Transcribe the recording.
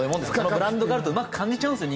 ブランドがあるとうまく感じちゃうんですよ